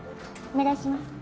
お願いします。